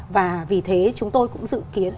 và vì thế chúng tôi cũng dự kiến